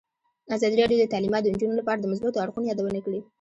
ازادي راډیو د تعلیمات د نجونو لپاره د مثبتو اړخونو یادونه کړې.